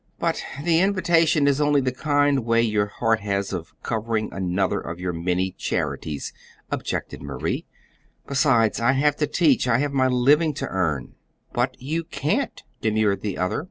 "But the invitation is only the kind way your heart has of covering another of your many charities," objected Marie; "besides, I have to teach. I have my living to earn." "But you can't," demurred the other.